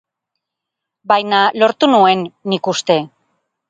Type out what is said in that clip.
Baina lortu nuen, nik uste.